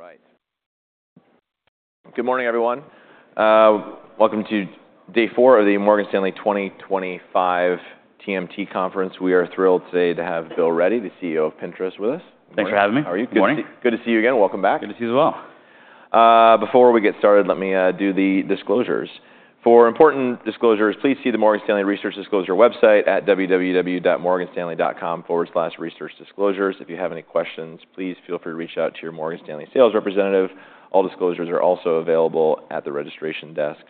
All right. Good morning, everyone. Welcome to day four of the Morgan Stanley 2025 TMT Conference. We are thrilled today to have Bill Ready, the CEO of Pinterest, with us. Thanks for having me. How are you? Good morning. Good to see you again. Welcome back. Good to see you as well. Before we get started, let me do the disclosures. For important disclosures, please see the Morgan Stanley research disclosure website at www.morganstanley.com/researchdisclosures. If you have any questions, please feel free to reach out to your Morgan Stanley sales representative. All disclosures are also available at the registration desk.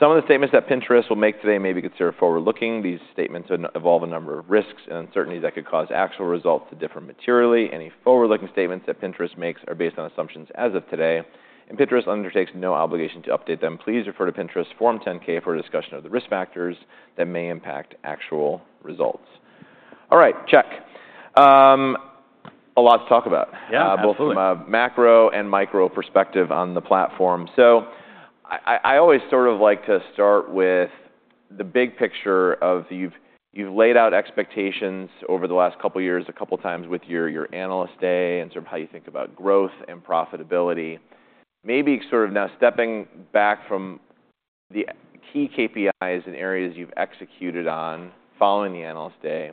Some of the statements that Pinterest will make today may be considered forward-looking. These statements involve a number of risks and uncertainties that could cause actual results to differ materially. Any forward-looking statements that Pinterest makes are based on assumptions as of today, and Pinterest undertakes no obligation to update them. Please refer to Pinterest Form 10-K for a discussion of the risk factors that may impact actual results. All right, check. A lot to talk about. Yeah, absolutely. Both from a macro and micro perspective on the platform. So I always sort of like to start with the big picture of you've laid out expectations over the last couple of years a couple of times with your Analyst Day and sort of how you think about growth and profitability. Maybe sort of now stepping back from the key KPIs and areas you've executed on following the Analyst Day,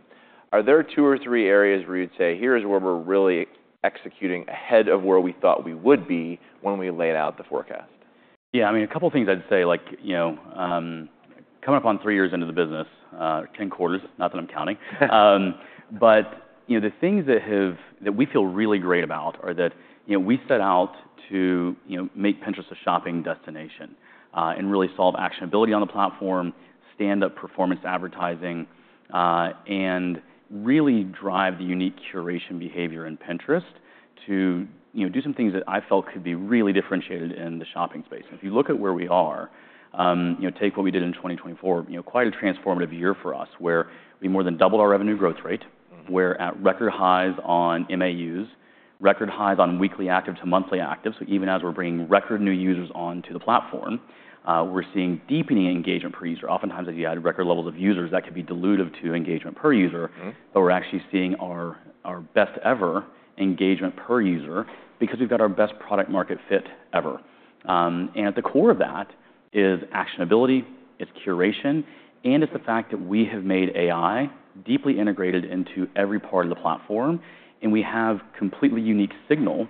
are there two or three areas where you'd say, "Here is where we're really executing ahead of where we thought we would be when we laid out the forecast"? Yeah, I mean, a couple of things I'd say, like, you know, coming up on three years into the business, 10 quarters, not that I'm counting. But the things that we feel really great about are that we set out to make Pinterest a shopping destination and really solve actionability on the platform, stand up performance advertising, and really drive the unique curation behavior in Pinterest to do some things that I felt could be really differentiated in the shopping space. And if you look at where we are, take what we did in 2024, quite a transformative year for us where we more than doubled our revenue growth rate, we're at record highs on MAUs, record highs on weekly active to monthly active. So even as we're bringing record new users onto the platform, we're seeing deepening engagement per user. Oftentimes, as you add record levels of users, that could be dilutive to engagement per user, but we're actually seeing our best ever engagement per user because we've got our best product-market fit ever. And at the core of that is actionability, it's curation, and it's the fact that we have made AI deeply integrated into every part of the platform, and we have completely unique signal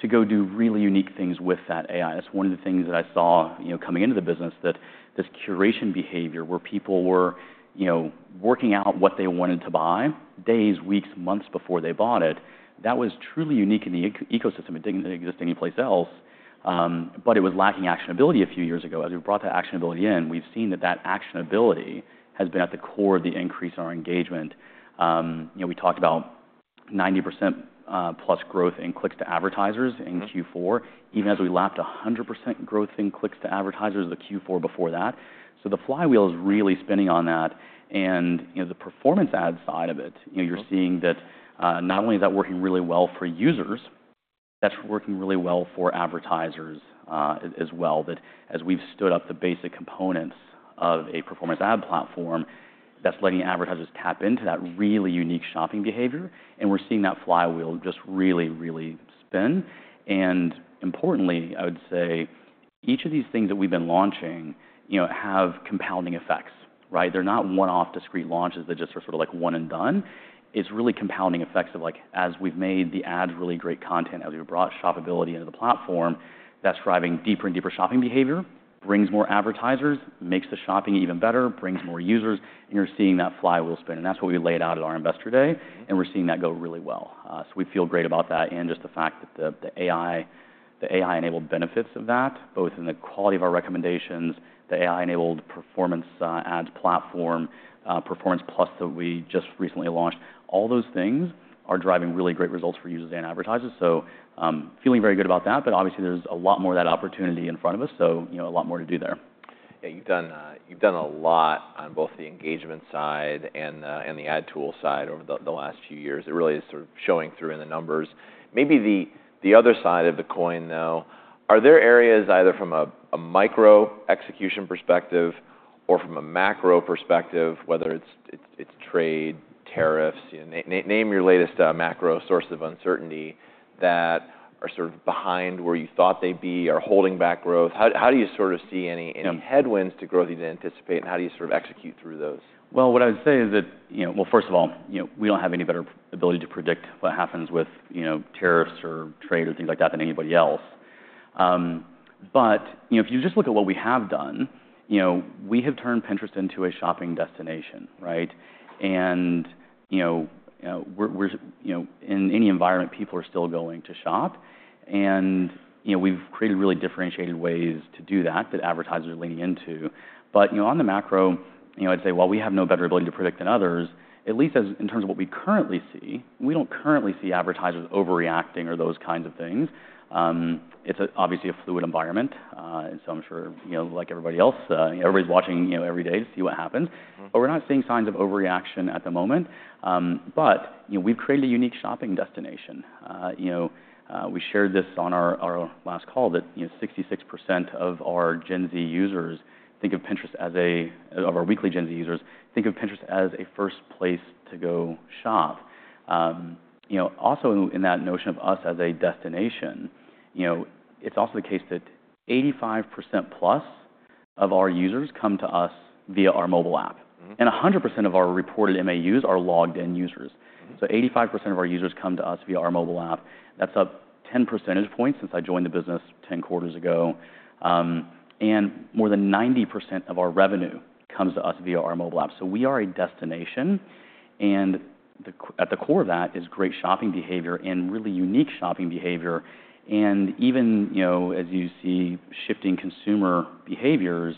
to go do really unique things with that AI. That's one of the things that I saw coming into the business, that this curation behavior where people were working out what they wanted to buy days, weeks, months before they bought it, that was truly unique in the ecosystem. It didn't exist anyplace else, but it was lacking actionability a few years ago. As we brought that actionability in, we've seen that that actionability has been at the core of the increase in our engagement. We talked about 90%+ growth in clicks to advertisers in Q4, even as we lapped 100% growth in clicks to advertisers the Q4 before that. So the flywheel is really spinning on that. And the performance ad side of it, you're seeing that not only is that working really well for users, that's working really well for advertisers as well. That, as we've stood up the basic components of a performance ad platform, that's letting advertisers tap into that really unique shopping behavior, and we're seeing that flywheel just really, really spin. And importantly, I would say each of these things that we've been launching have compounding effects, right? They're not one-off discrete launches that just are sort of like one and done. It's really compounding effects of, like, as we've made the ads really great content, as we've brought shoppability into the platform, that's driving deeper and deeper shopping behavior, brings more advertisers, makes the shopping even better, brings more users, and you're seeing that flywheel spin, and that's what we laid out at our Investor Day, and we're seeing that go really well, so we feel great about that and just the fact that the AI-enabled benefits of that, both in the quality of our recommendations, the AI-enabled performance ad platform, Performance+ that we just recently launched, all those things are driving really great results for users and advertisers, so feeling very good about that, but obviously there's a lot more of that opportunity in front of us, so a lot more to do there. Yeah, you've done a lot on both the engagement side and the ad tool side over the last few years. It really is sort of showing through in the numbers. Maybe the other side of the coin, though, are there areas either from a micro execution perspective or from a macro perspective, whether it's trade, tariffs, name your latest macro source of uncertainty that are sort of behind where you thought they'd be or holding back growth? How do you sort of see any headwinds to growth you'd anticipate, and how do you sort of execute through those? What I would say is that, well, first of all, we don't have any better ability to predict what happens with tariffs or trade or things like that than anybody else. But if you just look at what we have done, we have turned Pinterest into a shopping destination, right? And in any environment, people are still going to shop, and we've created really differentiated ways to do that that advertisers are leaning into. But on the macro, I'd say, while we have no better ability to predict than others, at least in terms of what we currently see, we don't currently see advertisers overreacting or those kinds of things. It's obviously a fluid environment, and so I'm sure, like everybody else, everybody's watching every day to see what happens. But we're not seeing signs of overreaction at the moment. But we've created a unique shopping destination. We shared this on our last call that 66% of our weekly Gen Z users think of Pinterest as a first place to go shop. Also, in that notion of us as a destination, it's also the case that 85%+ of our users come to us via our mobile app, and 100% of our reported MAUs are logged-in users. 85% of our users come to us via our mobile app. That's up 10 percentage points since I joined the business 10 quarters ago. More than 90% of our revenue comes to us via our mobile app. We are a destination, and at the core of that is great shopping behavior and really unique shopping behavior. Even as you see shifting consumer behaviors,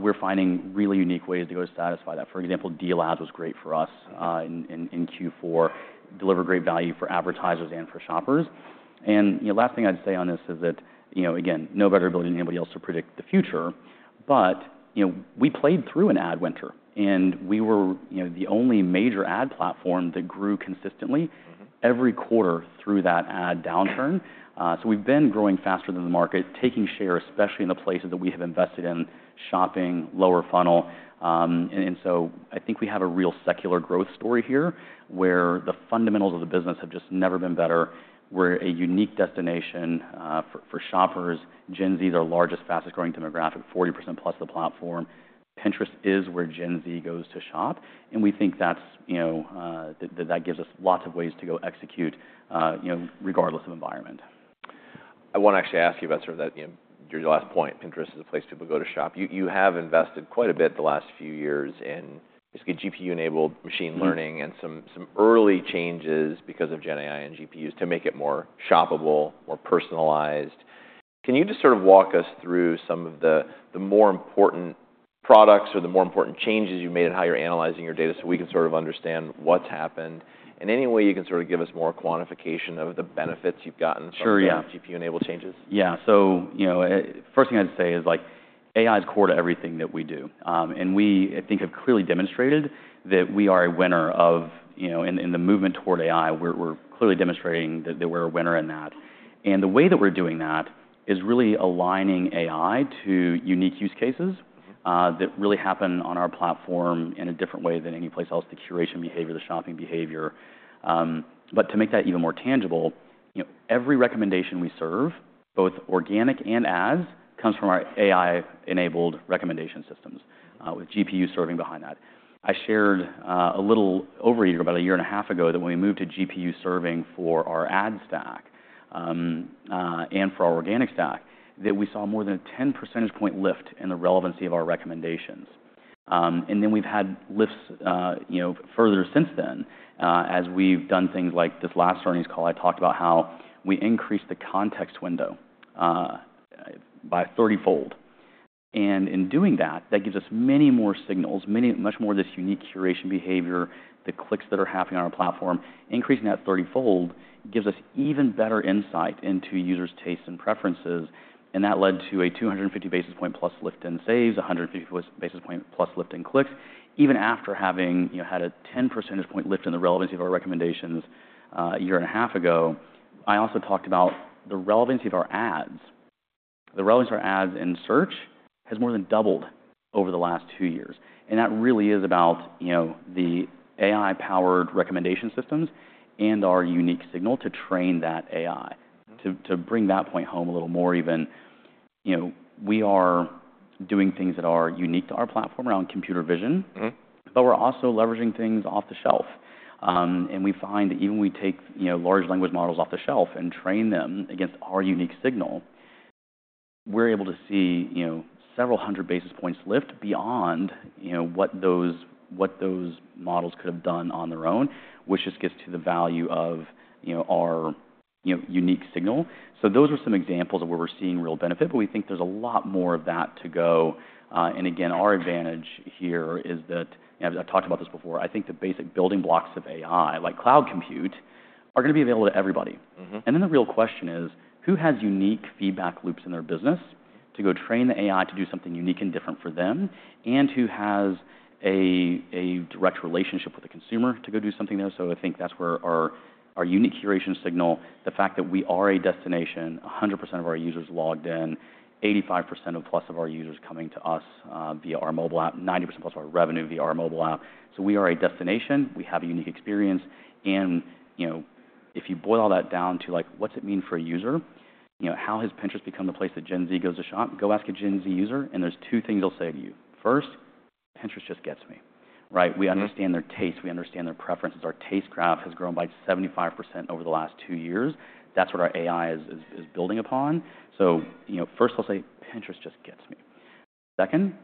we're finding really unique ways to go to satisfy that. For example, Deal Ads was great for us in Q4, delivered great value for advertisers and for shoppers, and last thing I'd say on this is that, again, no better ability than anybody else to predict the future, but we played through an ad winter, and we were the only major ad platform that grew consistently every quarter through that ad downturn, so we've been growing faster than the market, taking share, especially in the places that we have invested in shopping, lower funnel, and so I think we have a real secular growth story here where the fundamentals of the business have just never been better. We're a unique destination for shoppers. Gen Z is our largest, fastest-growing demographic, 40%+ of the platform. Pinterest is where Gen Z goes to shop, and we think that gives us lots of ways to go execute regardless of environment. I want to actually ask you about sort of your last point. Pinterest is a place people go to shop. You have invested quite a bit the last few years in basically GPU-enabled machine learning and some early changes because of Gen AI and GPUs to make it more shoppable, more personalized. Can you just sort of walk us through some of the more important products or the more important changes you've made in how you're analyzing your data so we can sort of understand what's happened? And any way you can sort of give us more quantification of the benefits you've gotten from GPU-enabled changes? Sure, yeah. So first thing I'd say is AI is core to everything that we do, and we, I think, have clearly demonstrated that we are a winner in the movement toward AI. We're clearly demonstrating that we're a winner in that. And the way that we're doing that is really aligning AI to unique use cases that really happen on our platform in a different way than any place else, the curation behavior, the shopping behavior. But to make that even more tangible, every recommendation we serve, both organic and ads, comes from our AI-enabled recommendation systems with GPU serving behind that. I shared a little over a year ago, about a year and a half ago, that when we moved to GPU serving for our ad stack and for our organic stack, that we saw more than a 10 percentage point lift in the relevancy of our recommendations. And then we've had lifts further since then as we've done things like this last earnings call. I talked about how we increased the context window by 30-fold. And in doing that, that gives us many more signals, much more of this unique curation behavior, the clicks that are happening on our platform. Increasing that 30-fold gives us even better insight into users' tastes and preferences, and that led to a 250 basis point plus lift in saves, 150 basis point plus lift in clicks, even after having had a 10 percentage point lift in the relevancy of our recommendations a year and a half ago. I also talked about the relevancy of our ads. The relevancy of our ads in search has more than doubled over the last two years. That really is about the AI-powered recommendation systems and our unique signal to train that AI, to bring that point home a little more even. We are doing things that are unique to our platform around computer vision, but we're also leveraging things off the shelf. We find that even when we take large language models off the shelf and train them against our unique signal, we're able to see several hundred basis points lift beyond what those models could have done on their own, which just gets to the value of our unique signal. Those were some examples of where we're seeing real benefit, but we think there's a lot more of that to go. Our advantage here is that I've talked about this before. I think the basic building blocks of AI, like cloud compute, are going to be available to everybody. And then the real question is, who has unique feedback loops in their business to go train the AI to do something unique and different for them, and who has a direct relationship with the consumer to go do something there? So I think that's where our unique curation signal, the fact that we are a destination, 100% of our users logged in, 85%+ of our users coming to us via our mobile app, 90%+ of our revenue via our mobile app. So we are a destination. We have a unique experience. And if you boil all that down to, like, what's it mean for a user? How has Pinterest become the place that Gen Z goes to shop? Go ask a Gen Z user, and there's two things they'll say to you. First, Pinterest just gets me, right? We understand their taste. We understand their preferences. Our Taste Graph has grown by 75% over the last two years. That's what our AI is building upon. So first, they'll say, "Pinterest just gets me." Second,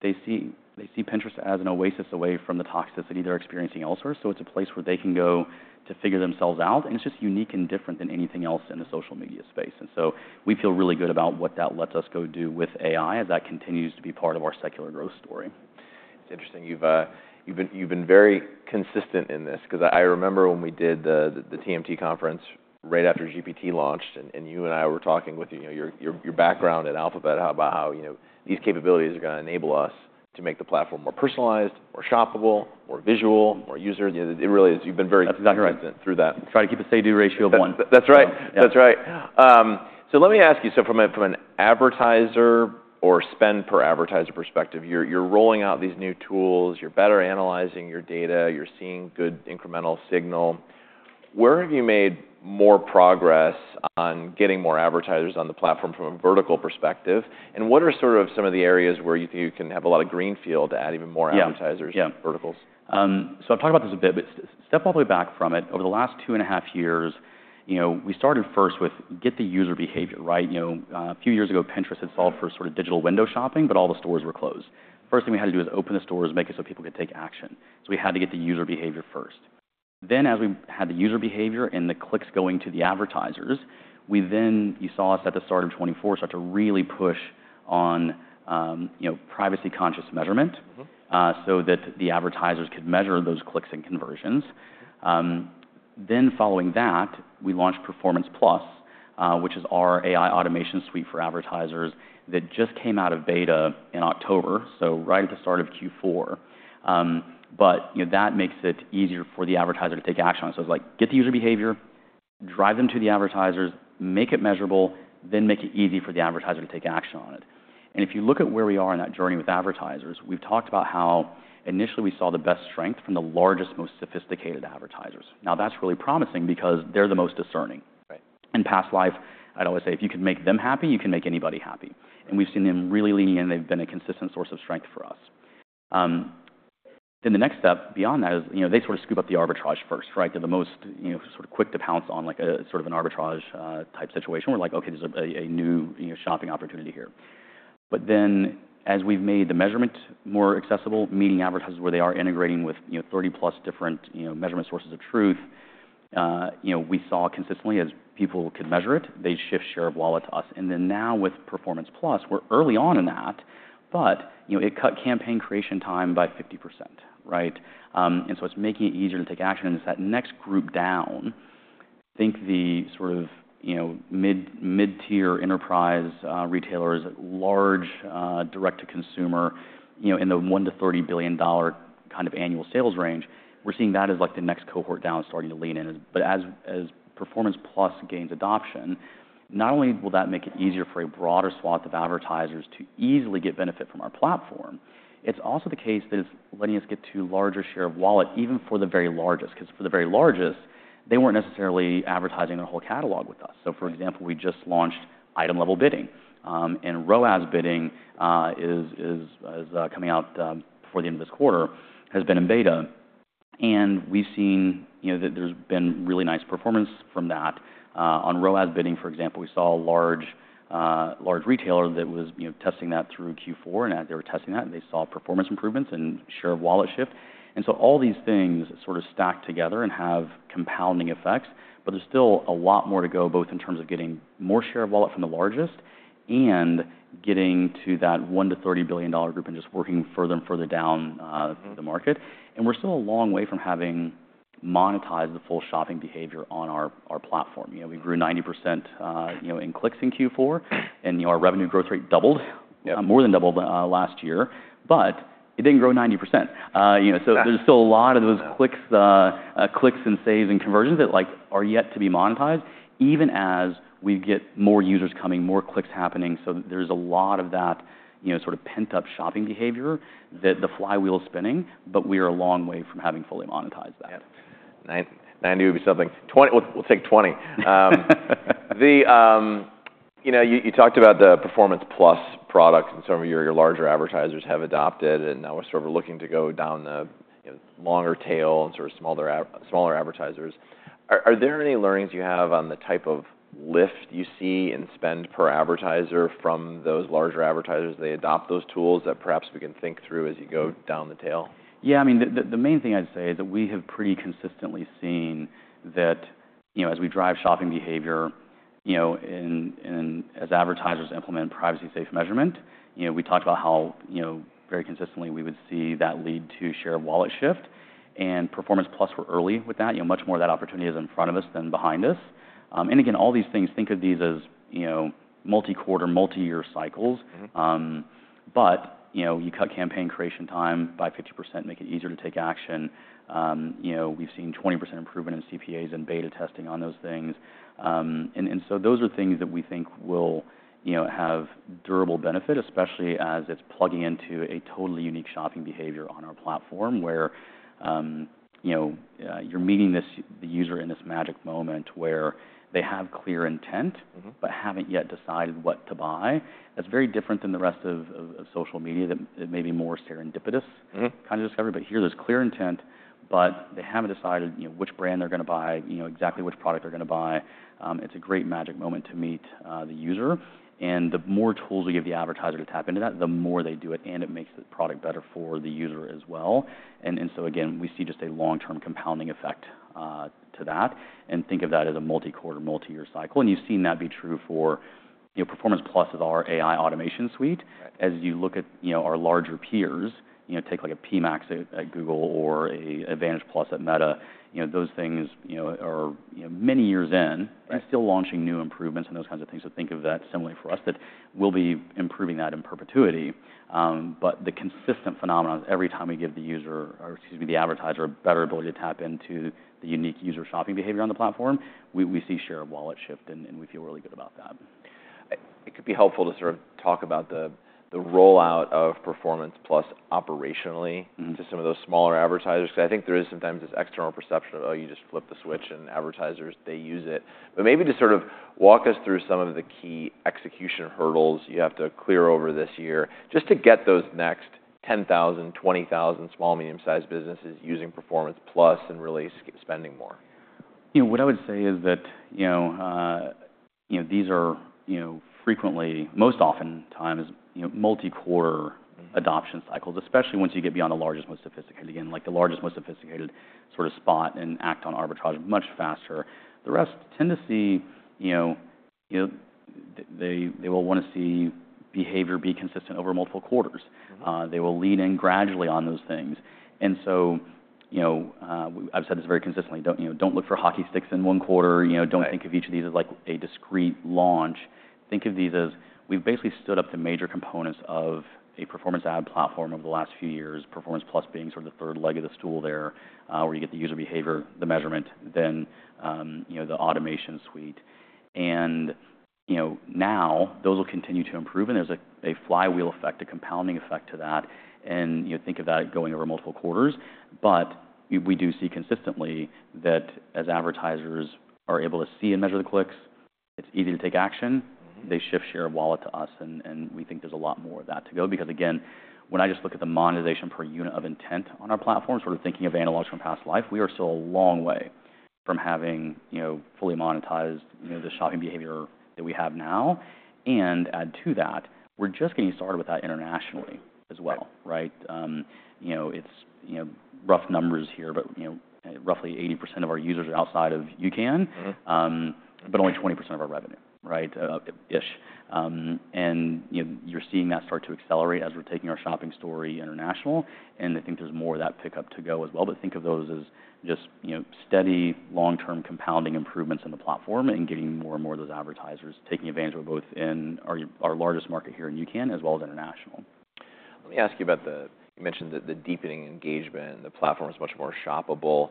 they see Pinterest as an oasis away from the toxicity they're experiencing elsewhere. So it's a place where they can go to figure themselves out, and it's just unique and different than anything else in the social media space. And so we feel really good about what that lets us go do with AI as that continues to be part of our secular growth story. It's interesting. You've been very consistent in this because I remember when we did the TMT conference right after GPT launched, and you and I were talking with your background at Alphabet about how these capabilities are going to enable us to make the platform more personalized, more shoppable, more visual, more user. It really is. You've been very consistent through that. That's exactly right. Try to keep a say-do ratio of one. That's right. That's right. So let me ask you, so from an advertiser or spend-per-advertiser perspective, you're rolling out these new tools. You're better analyzing your data. You're seeing good incremental signal. Where have you made more progress on getting more advertisers on the platform from a vertical perspective? And what are sort of some of the areas where you think you can have a lot of greenfield to add even more advertisers in verticals? Yeah. So I've talked about this a bit, but step all the way back from it. Over the last two and a half years, we started first with getting the user behavior, right? A few years ago, Pinterest had solved for sort of digital window shopping, but all the stores were closed. First thing we had to do was open the stores, make it so people could take action. So we had to get the user behavior first. Then as we had the user behavior and the clicks going to the advertisers, we then, you saw us at the start of 2024, start to really push on privacy-conscious measurement so that the advertisers could measure those clicks and conversions. Then following that, we launched Performance+, which is our AI automation suite for advertisers that just came out of beta in October, so right at the start of Q4. But that makes it easier for the advertiser to take action on it. So it's like, get the user behavior, drive them to the advertisers, make it measurable, then make it easy for the advertiser to take action on it. And if you look at where we are in that journey with advertisers, we've talked about how initially we saw the best strength from the largest, most sophisticated advertisers. Now that's really promising because they're the most discerning. In past life, I'd always say if you can make them happy, you can make anybody happy. And we've seen them really lean in, and they've been a consistent source of strength for us. Then the next step beyond that is they sort of scoop up the arbitrage first, right? They're the most sort of quick to pounce on sort of an arbitrage-type situation. We're like, "Okay, there's a new shopping opportunity here." But then as we've made the measurement more accessible, meeting advertisers where they are integrating with 30+ different measurement sources of truth, we saw consistently as people could measure it, they'd shift share of wallet to us. And then now with Performance+, we're early on in that, but it cut campaign creation time by 50%, right? And so it's making it easier to take action. And it's that next group down. Think the sort of mid-tier enterprise retailers, large direct-to-consumer in the $1 billion-$30 billion kind of annual sales range. We're seeing that as like the next cohort down starting to lean in. As Performance+ gains adoption, not only will that make it easier for a broader swath of advertisers to easily get benefit from our platform, it's also the case that it's letting us get to a larger share of wallet, even for the very largest, because for the very largest, they weren't necessarily advertising their whole catalog with us. For example, we just launched item-level bidding, and ROAS bidding is coming out before the end of this quarter, has been in beta. We've seen that there's been really nice performance from that. On ROAS bidding, for example, we saw a large retailer that was testing that through Q4, and as they were testing that, they saw performance improvements and share of wallet shift. And so all these things sort of stack together and have compounding effects, but there's still a lot more to go, both in terms of getting more share of wallet from the largest and getting to that $1 billion-$30 billion group and just working further and further down the market. And we're still a long way from having monetized the full shopping behavior on our platform. We grew 90% in clicks in Q4, and our revenue growth rate doubled, more than doubled last year, but it didn't grow 90%. So there's still a lot of those clicks and saves and conversions that are yet to be monetized, even as we get more users coming, more clicks happening. So there's a lot of that sort of pent-up shopping behavior that the flywheel is spinning, but we are a long way from having fully monetized that. 90 would be something. We'll take 20. You talked about the Performance+ product and some of your larger advertisers have adopted, and now we're sort of looking to go down the longer tail and sort of smaller advertisers. Are there any learnings you have on the type of lift you see in spend per advertiser from those larger advertisers? They adopt those tools that perhaps we can think through as you go down the tail? Yeah, I mean, the main thing I'd say is that we have pretty consistently seen that as we drive shopping behavior and as advertisers implement privacy-safe measurement, we talked about how very consistently we would see that lead to share of wallet shift. And Performance+, we're early with that. Much more of that opportunity is in front of us than behind us. And again, all these things, think of these as multi-quarter, multi-year cycles. But you cut campaign creation time by 50%, make it easier to take action. We've seen 20% improvement in CPAs and beta testing on those things. And so those are things that we think will have durable benefit, especially as it's plugging into a totally unique shopping behavior on our platform where you're meeting the user in this magic moment where they have clear intent but haven't yet decided what to buy. That's very different than the rest of social media that may be more serendipitous kind of discovery, but here there's clear intent, but they haven't decided which brand they're going to buy, exactly which product they're going to buy. It's a great magic moment to meet the user, and the more tools we give the advertiser to tap into that, the more they do it, and it makes the product better for the user as well, and so again, we see just a long-term compounding effect to that, and think of that as a multi-quarter, multi-year cycle, and you've seen that be true for Performance+ with our AI automation suite. As you look at our larger peers, take like a PMax at Google or an Advantage+ at Meta, those things are many years in and still launching new improvements and those kinds of things. So think of that similarly for us that we'll be improving that in perpetuity. But the consistent phenomenon is every time we give the user, or excuse me, the advertiser, a better ability to tap into the unique user shopping behavior on the platform, we see share of wallet shift, and we feel really good about that. It could be helpful to sort of talk about the rollout of Performance+ operationally to some of those smaller advertisers because I think there is sometimes this external perception of, "Oh, you just flip the switch," and advertisers, they use it. But maybe to sort of walk us through some of the key execution hurdles you have to clear over this year just to get those next 10,000, 20,000 small, medium-sized businesses using Performance+ and really spending more. What I would say is that these are frequently, most oftentimes, multi-quarter adoption cycles, especially once you get beyond the largest, most sophisticated, again, like the largest, most sophisticated sort of spot and act on arbitrage much faster. The rest tend to see they will want to see behavior be consistent over multiple quarters. They will lean in gradually on those things. And so I've said this very consistently. Don't look for hockey sticks in one quarter. Don't think of each of these as like a discrete launch. Think of these as we've basically stood up the major components of a Performance+ ad platform over the last few years, Performance+ being sort of the third leg of the stool there where you get the user behavior, the measurement, then the automation suite. And now those will continue to improve, and there's a flywheel effect, a compounding effect to that. Think of that going over multiple quarters. We do see consistently that as advertisers are able to see and measure the clicks, it's easy to take action. They shift share of wallet to us, and we think there's a lot more of that to go because again, when I just look at the monetization per unit of intent on our platform, sort of thinking of analogs from past life, we are still a long way from having fully monetized the shopping behavior that we have now. Add to that, we're just getting started with that internationally as well, right? It's rough numbers here, but roughly 80% of our users are outside of UCAN, but only 20% of our revenue, right, ish. You're seeing that start to accelerate as we're taking our shopping story international. I think there's more of that pickup to go as well. But think of those as just steady, long-term compounding improvements in the platform and getting more and more of those advertisers taking advantage of both in our largest market here in UCAN as well as international. Let me ask you about the deepening engagement you mentioned. The platform is much more shoppable.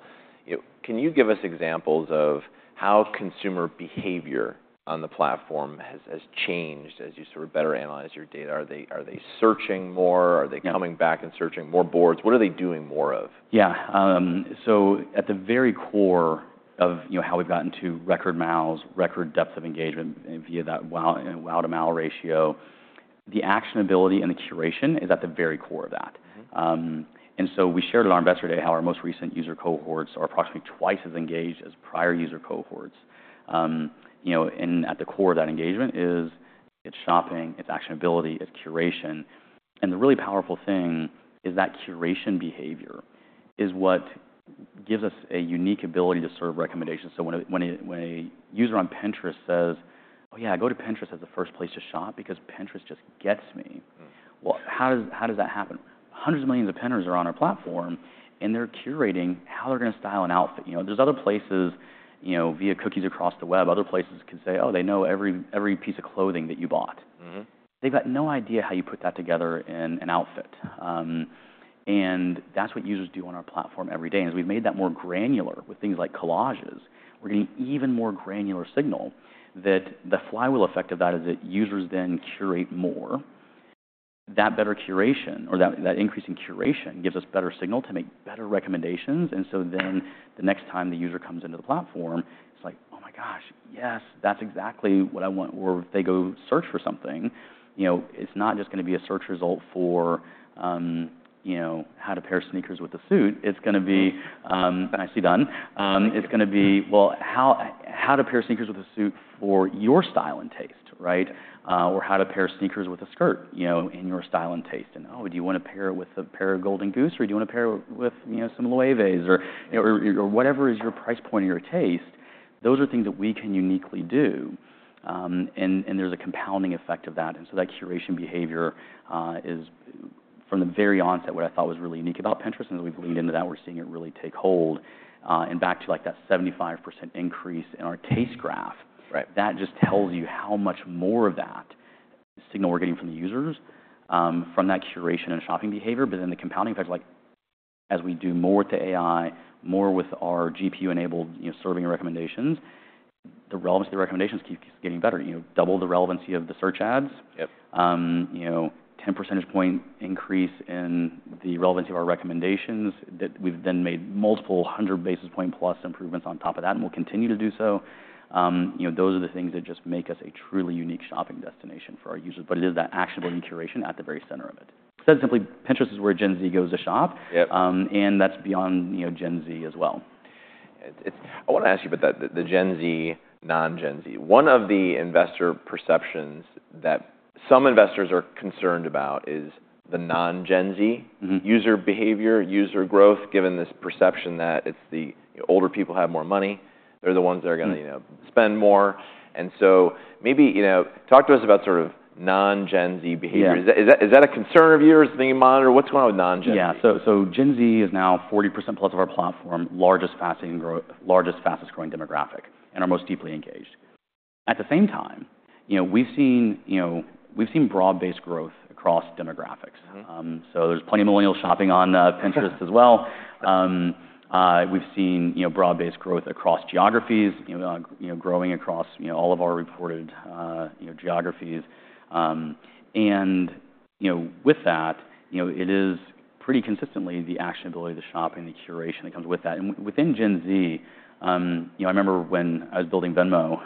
Can you give us examples of how consumer behavior on the platform has changed as you sort of better analyze your data? Are they searching more? Are they coming back and searching more boards? What are they doing more of? Yeah. So at the very core of how we've gotten to record MAUs, record depth of engagement via that WAU-to-MAU ratio, the actionability and the curation is at the very core of that. And so we shared at our investor day how our most recent user cohorts are approximately twice as engaged as prior user cohorts. And at the core of that engagement is it's shopping, it's actionability, it's curation. And the really powerful thing is that curation behavior is what gives us a unique ability to serve recommendations. So when a user on Pinterest says, "Oh yeah, I go to Pinterest as the first place to shop because Pinterest just gets me." Well, how does that happen? Hundreds of millions of pinners are on our platform, and they're curating how they're going to style an outfit. There's other places via cookies across the web. Other places can say, "Oh, they know every piece of clothing that you bought." They've got no idea how you put that together in an outfit. And that's what users do on our platform every day. And as we've made that more granular with things like collages, we're getting even more granular signal that the flywheel effect of that is that users then curate more. That better curation or that increasing curation gives us better signal to make better recommendations. And so then the next time the user comes into the platform, it's like, "Oh my gosh, yes, that's exactly what I want." Or if they go search for something, it's not just going to be a search result for how to pair sneakers with a suit. It's going to be nicely done. It's going to be, well, how to pair sneakers with a suit for your style and taste, right? Or how to pair sneakers with a skirt in your style and taste. "Oh, do you want to pair it with a pair of Golden Goose, or do you want to pair it with some Loewes or whatever is your price point or your taste?" Those are things that we can uniquely do. There's a compounding effect of that, so that curation behavior is from the very onset what I thought was really unique about Pinterest. As we've leaned into that, we're seeing it really take hold. Back to like that 75% increase in our Taste Graph, that just tells you how much more of that signal we're getting from the users from that curation and shopping behavior. But then the compounding effect is like as we do more with the AI, more with our GPU-enabled serving recommendations, the relevance of the recommendations keeps getting better. Double the relevancy of the search ads, 10 percentage point increase in the relevancy of our recommendations that we've then made multiple hundred basis point plus improvements on top of that, and we'll continue to do so. Those are the things that just make us a truly unique shopping destination for our users. But it is that actionable and curation at the very center of it. Said simply, Pinterest is where Gen Z goes to shop, and that's beyond Gen Z as well. I want to ask you about the Gen Z, non-Gen Z. One of the investor perceptions that some investors are concerned about is the non-Gen Z user behavior, user growth, given this perception that it's the older people have more money. They're the ones that are going to spend more. And so maybe talk to us about sort of non-Gen Z behavior. Is that a concern of yours? Is it being monitored? What's going on with non-Gen Z? Yeah. So Gen Z is now 40%+ of our platform, largest fastest growing demographic, and our most deeply engaged. At the same time, we've seen broad-based growth across demographics. So there's plenty of millennials shopping on Pinterest as well. We've seen broad-based growth across geographies, growing across all of our reported geographies. And with that, it is pretty consistently the actionability of the shopping and the curation that comes with that. And within Gen Z, I remember when I was building Venmo,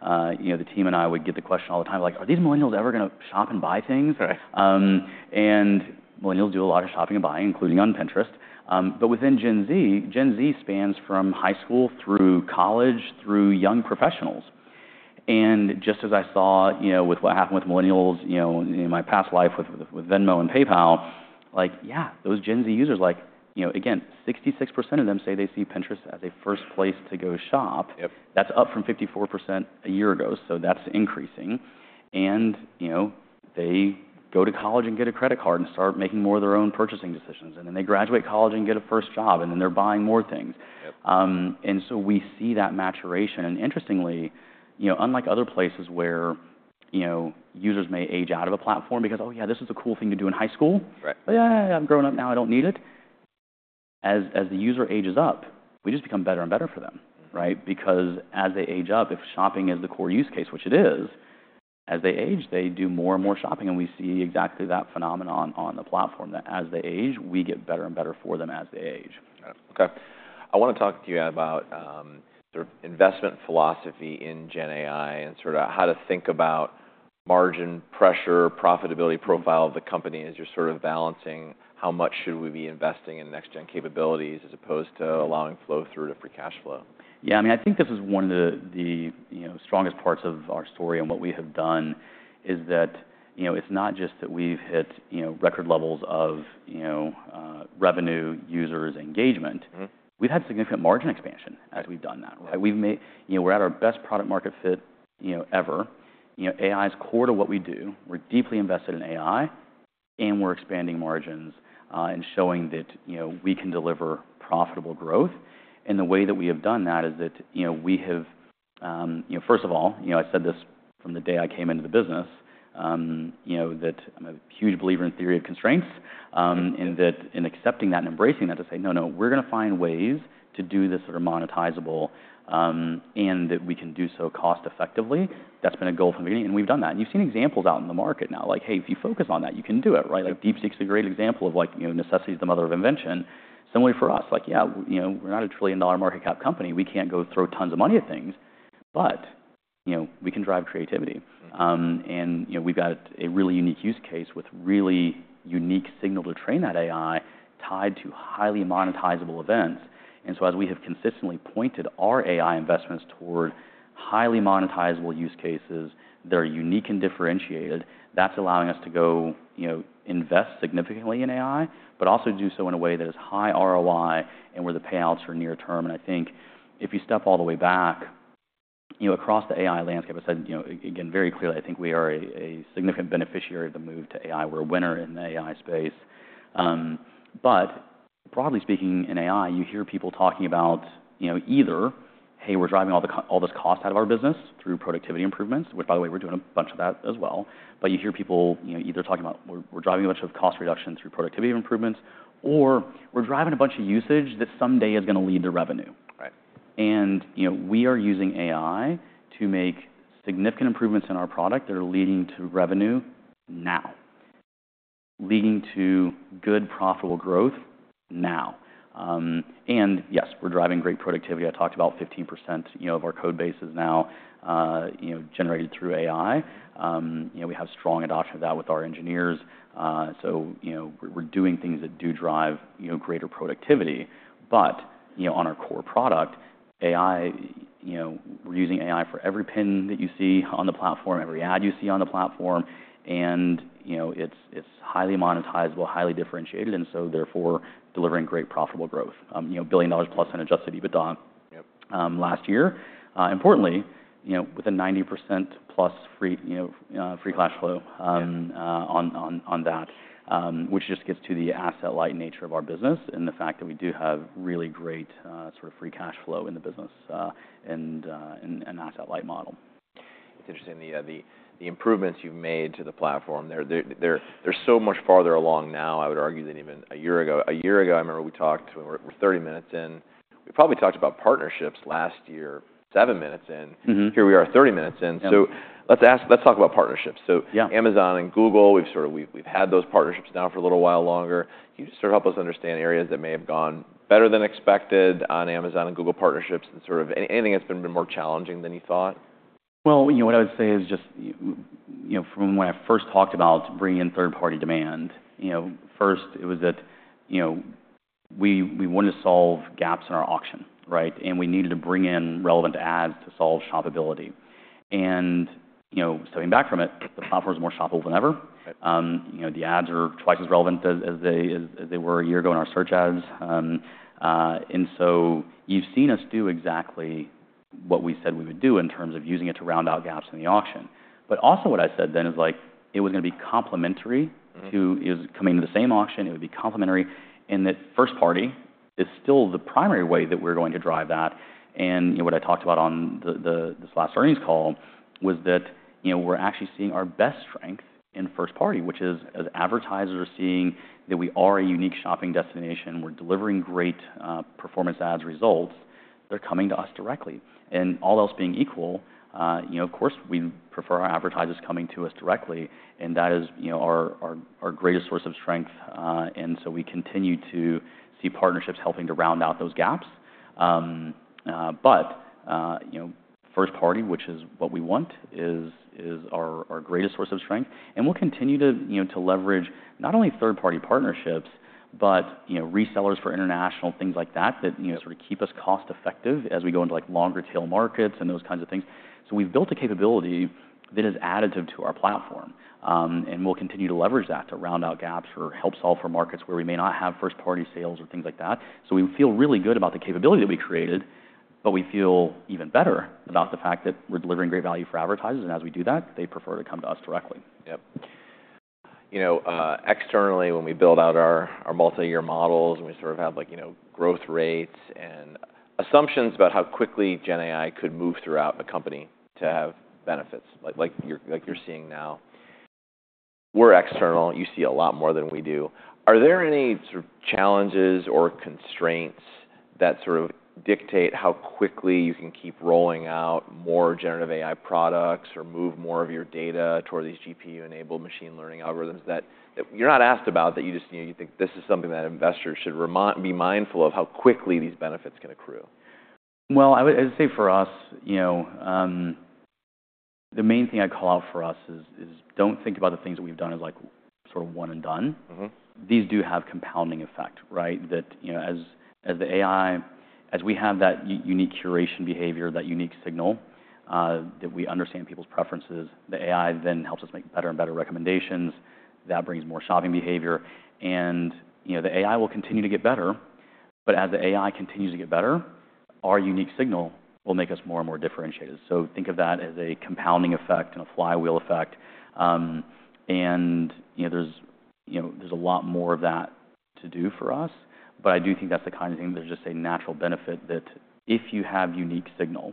the team and I would get the question all the time, like, "Are these millennials ever going to shop and buy things?" And millennials do a lot of shopping and buying, including on Pinterest. But within Gen Z, Gen Z spans from high school through college through young professionals. Just as I saw with what happened with millennials in my past life with Venmo and PayPal, like, yeah, those Gen Z users, like again, 66% of them say they see Pinterest as a first place to go shop. That's up from 54% a year ago. So that's increasing. And they go to college and get a credit card and start making more of their own purchasing decisions. And then they graduate college and get a first job, and then they're buying more things. And so we see that maturation. And interestingly, unlike other places where users may age out of a platform because, "Oh yeah, this was a cool thing to do in high school. Yeah, I'm growing up now. I don't need it." As the user ages up, we just become better and better for them, right? Because as they age up, if shopping is the core use case, which it is, as they age, they do more and more shopping, and we see exactly that phenomenon on the platform, that as they age, we get better and better for them as they age. Okay. I want to talk with you about sort of investment philosophy in Gen AI and sort of how to think about margin pressure, profitability profile of the company as you're sort of balancing how much should we be investing in next-gen capabilities as opposed to allowing flow through to free cash flow. Yeah. I mean, I think this is one of the strongest parts of our story and what we have done is that it's not just that we've hit record levels of revenue, users, engagement. We've had significant margin expansion as we've done that, right? We're at our best product-market fit ever. AI is core to what we do. We're deeply invested in AI, and we're expanding margins and showing that we can deliver profitable growth. And the way that we have done that is that we have, first of all, I said this from the day I came into the business, that I'm a huge believer in Theory of Constraints and that in accepting that and embracing that to say, "No, no, we're going to find ways to do this that are monetizable and that we can do so cost-effectively." That's been a goal from the beginning, and we've done that. And you've seen examples out in the market now. Like, "Hey, if you focus on that, you can do it," right? Like DeepSeek's a great example of necessity is the mother of invention. Similarly for us, like, "Yeah, we're not a trillion-dollar market cap company. We can't go throwing tons of money at things, but we can drive creativity." And we've got a really unique use case with really unique signal to train that AI tied to highly monetizable events. And so as we have consistently pointed our AI investments toward highly monetizable use cases, they're unique and differentiated. That's allowing us to go invest significantly in AI, but also do so in a way that is high ROI and where the payouts are near term. And I think if you step all the way back across the AI landscape, I said, again, very clearly, I think we are a significant beneficiary of the move to AI. We're a winner in the AI space. But broadly speaking, in AI, you hear people talking about either, "Hey, we're driving all this cost out of our business through productivity improvements," which, by the way, we're doing a bunch of that as well. But you hear people either talking about, "We're driving a bunch of cost reduction through productivity improvements," or, "We're driving a bunch of usage that someday is going to lead to revenue." And we are using AI to make significant improvements in our product that are leading to revenue now, leading to good profitable growth now. And yes, we're driving great productivity. I talked about 15% of our code bases now generated through AI. We have strong adoption of that with our engineers. So we're doing things that do drive greater productivity. But on our core product, we're using AI for every pin that you see on the platform, every ad you see on the platform. And it's highly monetizable, highly differentiated, and so therefore delivering great profitable growth. $1 billion+ in adjusted EBITDA last year. Importantly, with a 90%+ free cash flow on that, which just gets to the asset-light nature of our business and the fact that we do have really great sort of free cash flow in the business and an asset-light model. It's interesting. The improvements you've made to the platform, they're so much farther along now. I would argue than even a year ago. A year ago, I remember we talked when we were 30 minutes in. We probably talked about partnerships last year, seven minutes in. Here we are 30 minutes in. So let's talk about partnerships. So Amazon and Google, we've had those partnerships now for a little while longer. Can you just sort of help us understand areas that may have gone better than expected on Amazon and Google partnerships and sort of anything that's been more challenging than you thought? What I would say is just from when I first talked about bringing in third-party demand, first, it was that we wanted to solve gaps in our auction, right? And we needed to bring in relevant ads to solve shoppability. And stepping back from it, the platform is more shoppable than ever. The ads are twice as relevant as they were a year ago in our search ads. And so you've seen us do exactly what we said we would do in terms of using it to round out gaps in the auction. But also what I said then is like it was going to be complementary to it. It was coming to the same auction. It would be complementary in that first-party is still the primary way that we're going to drive that. What I talked about on this last earnings call was that we're actually seeing our best strength in first-party, which is as advertisers are seeing that we are a unique shopping destination. We're delivering great performance ads results. They're coming to us directly. And all else being equal, of course, we prefer our advertisers coming to us directly. And that is our greatest source of strength. And so we continue to see partnerships helping to round out those gaps. But first-party, which is what we want, is our greatest source of strength. And we'll continue to leverage not only third-party partnerships, but resellers for international, things like that that sort of keep us cost-effective as we go into longer-tail markets and those kinds of things. So we've built a capability that is additive to our platform. And we'll continue to leverage that to round out gaps or help solve for markets where we may not have first-party sales or things like that. So we feel really good about the capability that we created, but we feel even better about the fact that we're delivering great value for advertisers. And as we do that, they prefer to come to us directly. Yep. Externally, when we build out our multi-year models and we sort of have growth rates and assumptions about how quickly Gen AI could move throughout a company to have benefits like you're seeing now, we're external. You see a lot more than we do. Are there any sort of challenges or constraints that sort of dictate how quickly you can keep rolling out more generative AI products or move more of your data toward these GPU-enabled machine learning algorithms that you're not asked about, that you just think this is something that investors should be mindful of how quickly these benefits can accrue? I'd say for us, the main thing I call out for us is don't think about the things that we've done as sort of one and done. These do have compounding effect, right? That as the AI, as we have that unique curation behavior, that unique signal that we understand people's preferences, the AI then helps us make better and better recommendations. That brings more shopping behavior. The AI will continue to get better. As the AI continues to get better, our unique signal will make us more and more differentiated. Think of that as a compounding effect and a flywheel effect. There's a lot more of that to do for us. But I do think that's the kind of thing that there's just a natural benefit that if you have unique signal,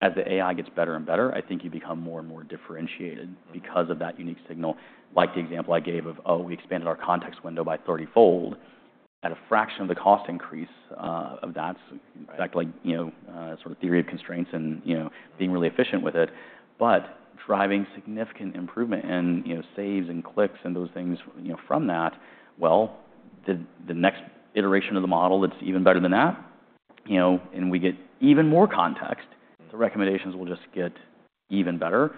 as the AI gets better and better, I think you become more and more differentiated because of that unique signal. Like the example I gave of, "Oh, we expanded our context window by 30-fold at a fraction of the cost increase of that." In fact, like sort of Theory of Constraints and being really efficient with it, but driving significant improvement and saves and clicks and those things from that. Well, the next iteration of the model that's even better than that, and we get even more context, the recommendations will just get even better.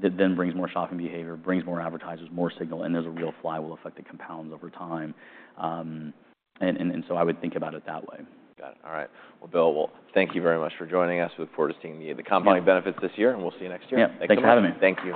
That then brings more shopping behavior, brings more advertisers, more signal, and there's a real flywheel effect that compounds over time. And so I would think about it that way. Got it. All right. Well, Bill, well, thank you very much for joining us. We look forward to seeing the compounding benefits this year, and we'll see you next year. Yeah. Thanks for having me. Thank you.